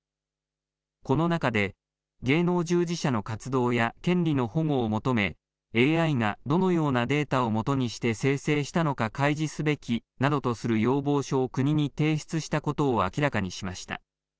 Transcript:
この中で芸能従事者の活動や権利の保護を求めＡＩがどのようなデータをもとにして生成したのか開示すべきなどとする要望書を国に提出したことを明らかにしました。